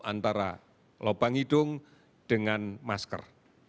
antara lubang hidung dengan masker